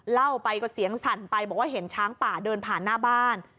เล่าไปก็เสียงสั่นไปบอกว่าเห็นช้างป่าเดินผ่านหน้าบ้าน